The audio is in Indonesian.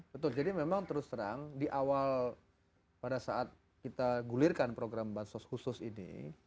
betul jadi memang terus terang di awal pada saat kita gulirkan program bansos khusus ini